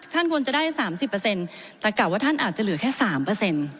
ท่านควรจะได้สามสิบเปอร์เซ็นต์แต่กล่าวว่าท่านอาจจะเหลือแค่สามเปอร์เซ็นต์